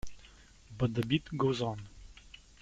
But the Beat Goes On.